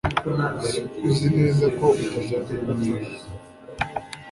Uzi neza ko udashaka ko mfasha